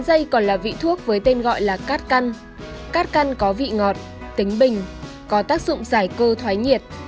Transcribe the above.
dây còn là vị thuốc với tên gọi là cát căn cát căn có vị ngọt tính bình có tác dụng giải cơ thoái nhiệt